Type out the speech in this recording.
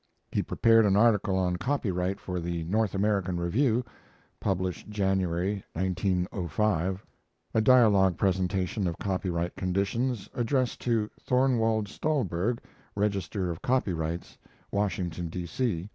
He prepared an article on Copyright for the 'North American Review', [Published Jan., 7905. A dialogue presentation of copyright conditions, addressed to Thorwald Stolberg, Register of Copyrights, Washington, D. C.